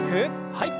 はい。